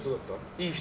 いい人。